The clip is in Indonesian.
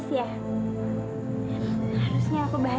aku juga bener bener pengen nyobain